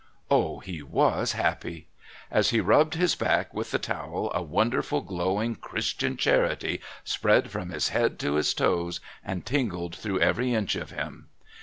Oh, he was happy. As he rubbed his back with the towel a wonderful glowing Christian charity spread from his head to his toes and tingled through every inch of him.